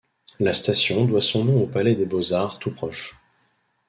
La station doit son nom au palais des beaux-arts tout proche.